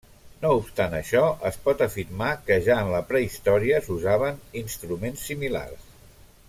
No obstant això, es pot afirmar que ja en la prehistòria s'usaven instruments similars.